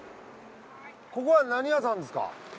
ここは何屋さんですか？